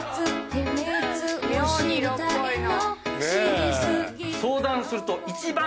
妙に色っぽいの。